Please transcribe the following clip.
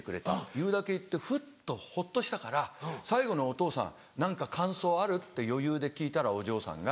言うだけ言ってふっとほっとしたから「最後にお父さん何か感想ある？」って余裕で聞いたらお嬢さんが。